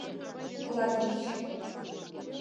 Латвич?